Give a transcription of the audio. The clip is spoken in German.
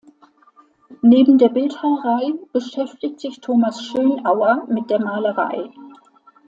Neben der Bildhauerei beschäftigt sich Thomas Schönauer mit der Malerei.